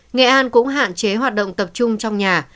nghệ an cũng hạn chế hoạt động tập trung trong nhà